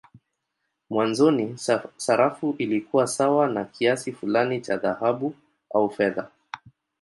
Mwanzoni sarafu ilikuwa sawa na kiasi fulani cha dhahabu au fedha.